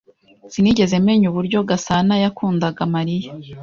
Sinigeze menya uburyo Gasanayakundaga Mariya.